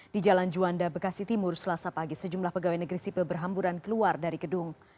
di jalan juanda bekasi timur selasa pagi sejumlah pegawai negeri sipil berhamburan keluar dari gedung